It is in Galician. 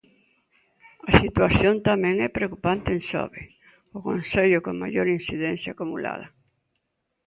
A situación tamén é preocupante en Xove, o concello con maior incidencia acumulada.